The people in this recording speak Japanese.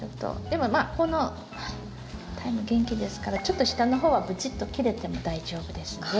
でもまあこのタイム元気ですからちょっと下の方はブチッと切れても大丈夫ですので。